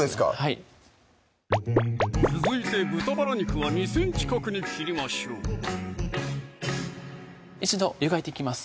はい続いて豚バラ肉は２ｃｍ角に切りましょう一度湯がいていきます